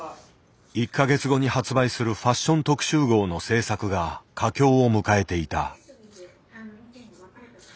１か月後に発売するファッション特集号の制作が佳境を迎えていた。